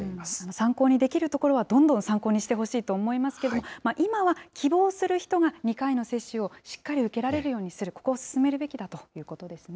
参考にできるところはどんどん参考にしてほしいと思いますけれども、今は希望する人が２回の接種をしっかり受けられるようにする、ここを進めるべきだということですね。